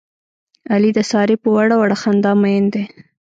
علي د سارې په وړه وړه خندا مین دی.